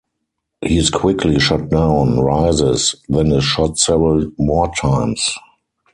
He is quickly shot down, rises, then is shot several more times.